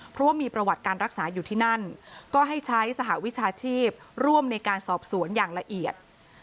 เพราะว่ามีประวัติการรักษาอยู่ที่นั่นก็ให้ใช้สหวิชาชีพร่วมในการสอบสวนอย่างละเอียด